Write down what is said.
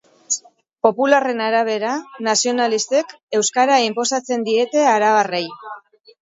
Popularren arabera, nazionalistek euskara inposatzen diete arabarrei.